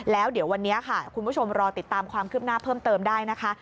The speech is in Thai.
แล้วเดี๋ยววันนี้ค่ะคุณผู้ชมรอติดตามความคืบหน้าเพิ่มเติมได้นะคะ